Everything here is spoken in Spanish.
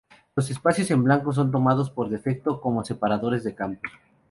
Los espacios en blanco son tomados por defecto como separadores de campo.